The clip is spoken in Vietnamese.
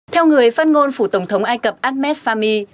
theo người phát ngôn phủ tổng thống ai cập ahmed fami